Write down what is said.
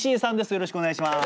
よろしくお願いします。